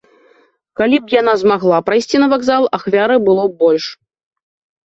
Калі б яна змагла прайсці на вакзал, ахвяраў было б больш.